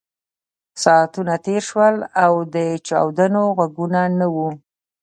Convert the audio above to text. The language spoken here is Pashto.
ساعتونه تېر شول او د چاودنو غږونه نه وو